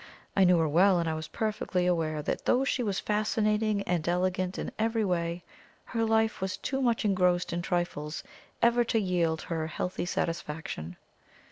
I knew her well, and I was perfectly aware that though she was fascinating and elegant in every way, her life was too much engrossed in trifles ever to yield her healthy satisfaction.